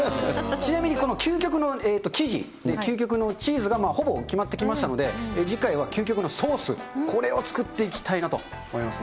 ちなみにこの究極の生地、究極のチーズがほぼ決まってましたので、次回は究極のソース、これを作っていきたいなと思いますね。